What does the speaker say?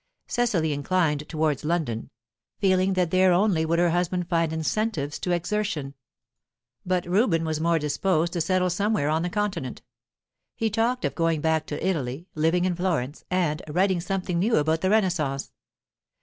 Cecily inclined towards London, feeling that there only would her husband find incentives to exertion; but Reuben was more disposed to settle somewhere on the Continent. He talked of going back to Italy, living in Florence, and writing something new about the Renaissance.